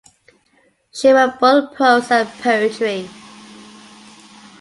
She wrote both prose and poetry.